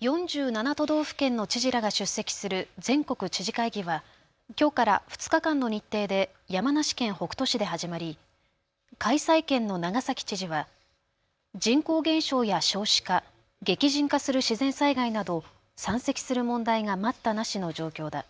４７都道府県の知事らが出席する全国知事会議はきょうから２日間の日程で山梨県北杜市で始まり開催県の長崎知事は人口減少や少子化、激甚化する自然災害など山積する問題が待ったなしの状況だ。